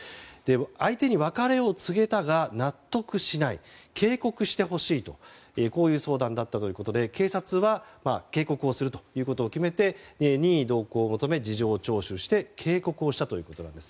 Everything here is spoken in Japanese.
相手に別れを告げたが納得しない警告してほしいとこういう相談だったということで警察は警告をすると決めて、任意同行を求め事情聴取をして警告をしたということなんです。